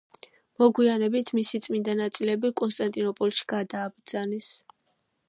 მოგვიანებით მისი წმინდა ნაწილები კონსტანტინოპოლში გადააბრძანეს.